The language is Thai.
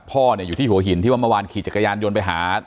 พ่อเนี่ยอยู่ที่หัวหินที่ว่าเมื่อวานขี่จักรยานยนต์ไปหา